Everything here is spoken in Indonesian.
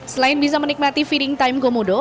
selain bisa menikmati feeding time komodo